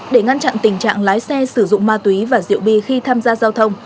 để ngăn chặn tình trạng lái xe sử dụng ma túy và rượu bia khi tham gia giao thông